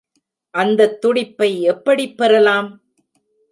அந்தத் துடிப்பை எப்படிப் பெறலாம்?